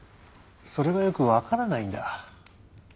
それがよく分からないんだ。